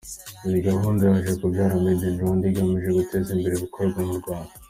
Iyi gahunda yaje kubyara “Made in Rwanda” igamije guteza imbere ibikorerwa mu Rwanda.